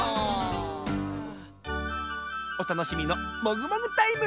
おたのしみのもぐもぐタイム！